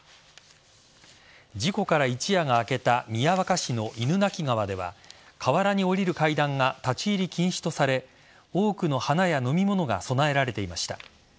事故から一夜が明けた宮若市の犬鳴川では河原に下りる階段が立ち入り禁止とされ多くの花や飲み物が供えられていました。